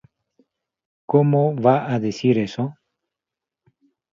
¿cómo va a decir eso?